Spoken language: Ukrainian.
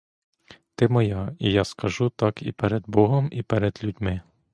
Ти моя, і я скажу так і перед богом, і перед людьми.